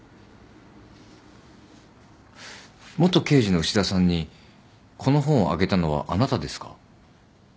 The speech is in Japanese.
元刑事の牛田さんにこの本をあげたのはあなたですか？